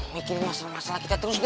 mikirin masalah masalah kita terus deh